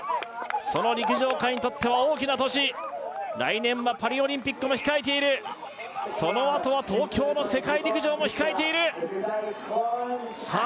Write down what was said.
その陸上界にとっては大きな年来年はパリオリンピックも控えているそのあとは東京の世界陸上も控えているさあ